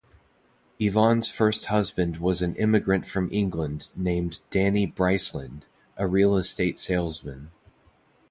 Yvonne's first husband was an immigrant from England named Danny Bryceland, a real-estate salesman.